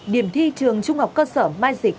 điểm thi trường trung học cơ sở mai dịch